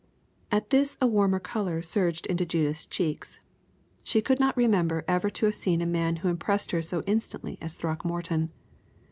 At this a warmer color surged into Judith's cheeks. She could not remember ever to have seen a man who impressed her so instantly as Throckmorton.